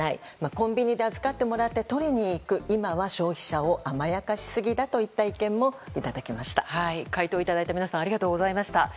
コンビニで預かってもらって取りに行く今は消費者を甘やかしすぎだといった回答をいただいた皆さんありがとうございました。